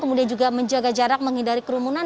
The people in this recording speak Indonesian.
kemudian juga menjaga jarak menghindari kerumunan